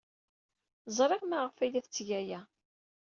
Ẓriɣ maɣef ay la tetteg aya.